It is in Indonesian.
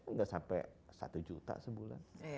nggak sampai satu juta sebulan